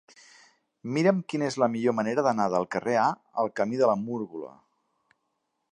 Mira'm quina és la millor manera d'anar del carrer A al camí de la Múrgola.